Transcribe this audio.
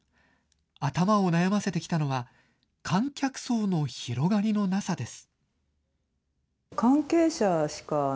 頭を悩ませてきたのは観客層の広がりのなさです。